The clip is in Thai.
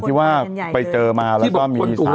ที่ว่าไปเจอมาแล้วก็มี